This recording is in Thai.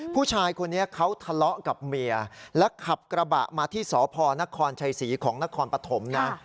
ผู้ชายคนนี้เขาทะเลาะกับเมียและขับกระบะมาที่สพนครชัยศรีของนครปฐมนะ